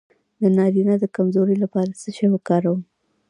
د نارینه د کمزوری لپاره څه شی وکاروم؟